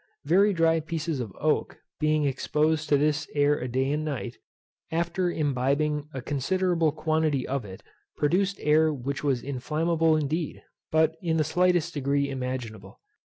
Very dry pieces of oak, being exposed to this air a day and a night, after imbibing a considerable quantity of it, produced air which was inflammable indeed, but in the slightest degree imaginable.